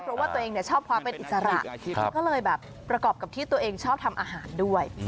เพราะว่าตัวเองชอบความเป็นอิสระก็เลยแบบประกอบกับที่ตัวเองชอบทำอาหารด้วย